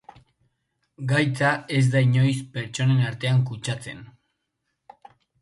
Gaitza ez da inoiz pertsonen artean kutsatzen.